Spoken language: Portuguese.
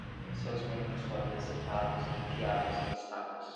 Seus membros foram decepados e enfiados em estacas